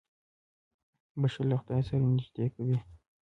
• بښل له خدای سره نېږدې کوي.